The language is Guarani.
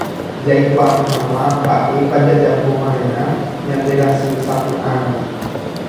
jaikuaa hag̃ua mba'épa jajapova'erã ñanderasysapy'árõ